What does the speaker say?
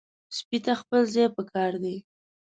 سپي ته خپل ځای پکار دی.